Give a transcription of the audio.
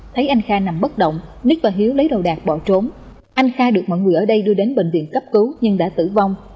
thấy anh kha nằm bất động nít và hiếu lấy đồ đạc bỏ trốn anh kha được mọi người ở đây đưa đến bệnh viện cấp cứu nhưng đã tử vong